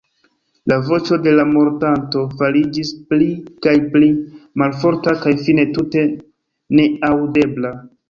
La voĉo de la mortanto fariĝis pli kaj pli malforta kaj fine tute neaŭdebla.